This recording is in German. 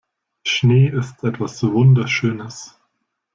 Schnee ist etwas Wunderschönes.